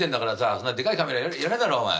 そんなでかいカメラ要らねえだろお前。